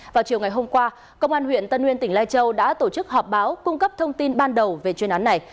vào chiều ngày hôm qua công an huyện tân nguyên tỉnh lai châu đã tổ chức họp báo cung cấp thông tin ban đầu về chuyên án này